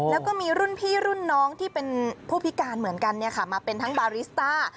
แล้วก็มีรุ่นพี่รุ่นน้องที่เป็นผู้พิการเหมือนกันมาเป็นทั้งบาริสต้า